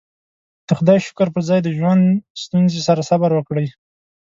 د خدايې شکر پر ځای د ژوند ستونزې سره صبر وکړئ.